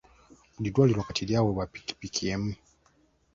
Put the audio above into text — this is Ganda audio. Buli ddwaliro kati lyaweebwa ppikipiki emu.